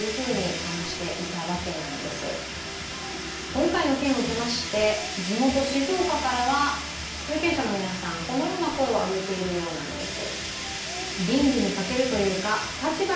今回の件を受けまして地元・静岡からは有権者の方このような声を上げているようなんです。